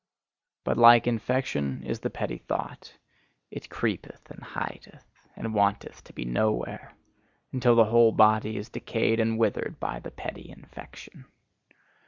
But like infection is the petty thought: it creepeth and hideth, and wanteth to be nowhere until the whole body is decayed and withered by the petty infection.